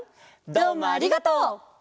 どうもありがとう！